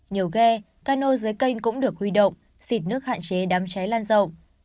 nhiều ghe cano dưới kênh cũng được huy động xịt nước hạn chế đám cháy lan rộng